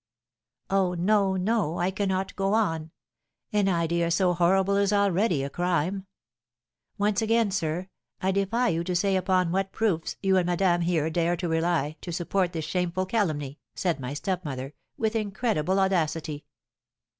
Oh, no, no! I cannot go on! An idea so horrible is already a crime! Once again, sir, I defy you to say upon what proofs you and madame here dare rely to support this shameful calumny!' said my stepmother, with incredible audacity.